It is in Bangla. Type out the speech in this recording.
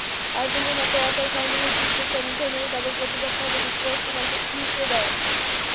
আর্জেন্টিনা কোয়ার্টার ফাইনালে জিতলে সেমিফাইনালে তাদের প্রতিপক্ষ হবে যুক্তরাষ্ট্র নয়তো ইকুয়েডর।